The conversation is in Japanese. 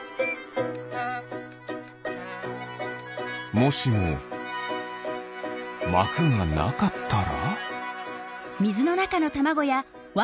もしもまくがなかったら？